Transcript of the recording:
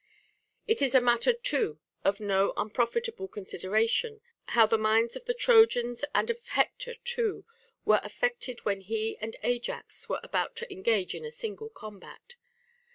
It is a matter too of no unprofitable consideration, how the minds of the Trojans and of Hector too were affected when he and Ajax were about to engage in a single combat.